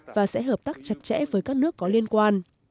và sẽ hợp tác chặt chẽ với các nước có liên quan